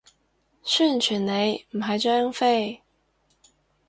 宣傳你，唔係張飛